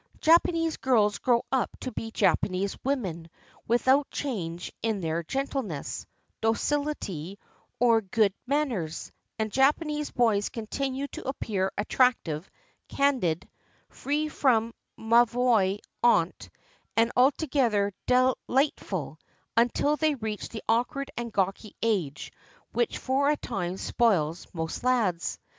Japanese girls grow up to be Japanese women with out change in their gentleness, docihty, or good man ners; and Japanese boys continue to appear attractive, candid, free from mauvaise honte, and altogether delight ful, imtil they reach the awkward and gawky age, which for a time spoils most lads.